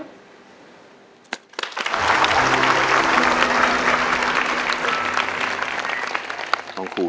ขอบคุณครู